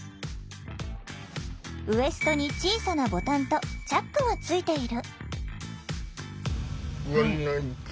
ウエストに小さなボタンとチャックがついている。